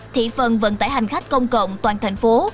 thị phần vận tải hành khách công cộng toàn thành phố